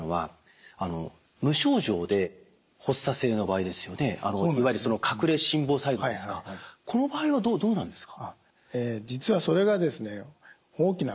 気になるのはいわゆる隠れ心房細動ですかこの場合はどうなんですか？